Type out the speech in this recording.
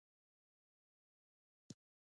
د وریجو اوړه د ماشوم لپاره دي.